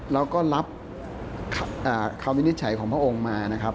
แล้วก็รับคำวินิจฉัยของพระองค์มานะครับ